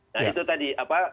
nah itu tadi